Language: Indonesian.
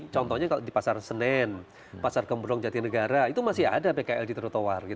contohnya kalau di pasar senen pasar gemburong jati negara itu masih ada pkl di terutawar